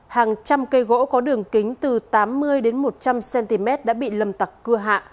hàng trăm cây gỗ có đường kính từ tám mươi đến một trăm linh cm đã bị lâm tặc cưa hạ